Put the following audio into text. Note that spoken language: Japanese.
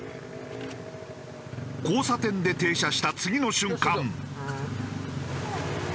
交差点で停車した次の瞬間。